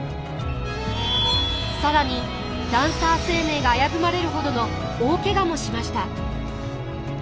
更にダンサー生命が危ぶまれるほどの大けがもしました。